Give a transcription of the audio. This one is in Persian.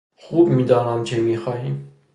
خوب میدانم چه میخواهی.